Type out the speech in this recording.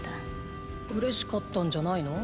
嬉しかったんじゃないの？